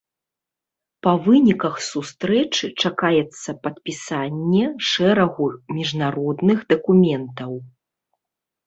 Па выніках сустрэчы чакаецца падпісанне шэрагу міжнародных дакументаў.